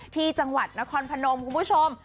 ที่จังหวัดนครพนมคุณผู้ชม